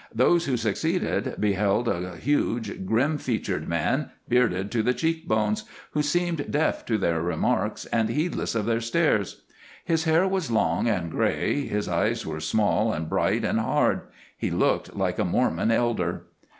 Those who succeeded beheld a huge, grim featured man, bearded to the cheek bones, who seemed deaf to their remarks and heedless of their stares. His hair was long and gray, his eyes were small and bright and hard; he looked like a Mormon elder.